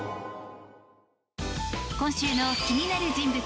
今週の気になる人物